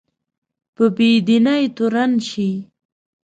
په بې دینۍ تورن شي